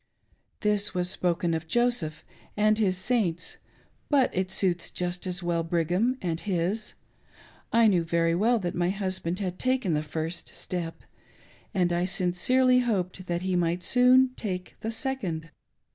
This \(ras spoken of Joseph and his Saints, but it suits just as M^ell Brigham and his : I knew Very well that my husband had taken the first step, aild I sincerely hoped that he might soon take the second.